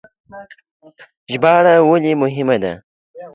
چې ژباړه ولې مهمه ده؟